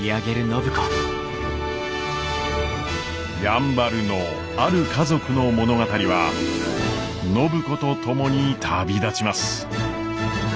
やんばるのある家族の物語は暢子と共に旅立ちます。